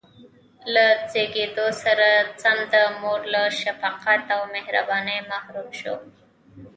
له زېږېدو سره سم د مور له شفقت او مهربانۍ محروم شو.